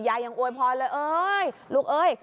ยังอวยพรเลยเอ้ยลูกเอ้ย